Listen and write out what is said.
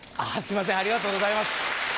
ありがとうございます。